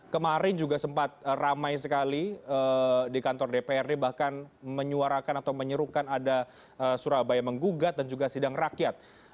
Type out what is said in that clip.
kemarin juga sempat ramai sekali di kantor dprd bahkan menyuarakan atau menyerukan ada surabaya menggugat dan juga sidang rakyat